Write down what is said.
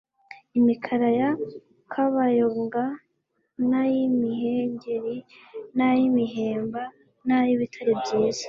imikara ya kabayonga n'ay'imihengeri n'ay'imihemba n'ay'ibitare byiza